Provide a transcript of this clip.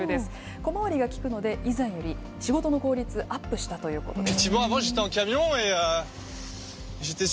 小回りが利くので以前より仕事の効率アップしたということです。